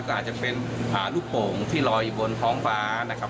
ก็อาจจะเป็นลูกโป่งที่ลอยอยู่บนท้องฟ้านะครับ